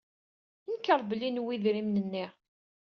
Nenkeṛ belli nuwey idrimen-nni.